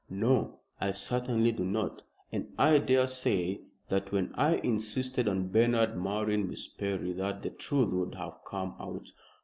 "No, I certainly do not, and I daresay that when I insisted on Bernard marrying Miss Perry that the truth would have come out.